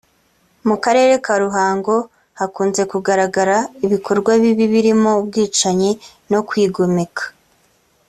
mu karere ka Ruhango hakunze kugaragara ibikorwa bibi birimo ubwicanyi no kwigomeka